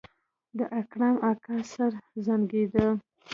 د اکرم اکا سر زانګېده.